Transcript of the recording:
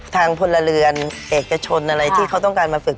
พลเรือนเอกชนอะไรที่เขาต้องการมาฝึก